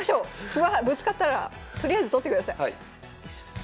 歩はぶつかったらとりあえず取ってください。